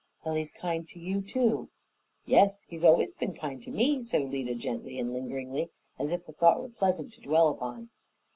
"Well, he's kind to you, too." "Yes, he has always been kind to me," said Alida gently and lingeringly, as if the thought were pleasant to dwell upon.